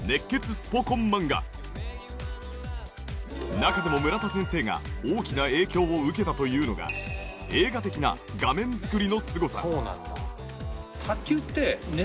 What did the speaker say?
中でも村田先生が大きな影響を受けたというのが映画的な画面作りのすごさ。